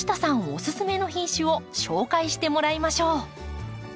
オススメの品種を紹介してもらいましょう。